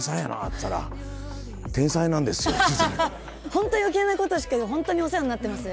ホント余計なことしかホントにお世話になってます。